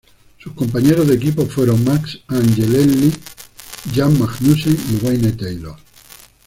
Sus compañeros de equipo fueron: Max Angelelli, Jan Magnussen y Wayne Taylor.